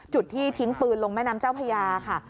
จุดที่ทิ้งปืนลงแม่น้ำเจ้าพญาค่ะ